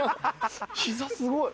膝すごい。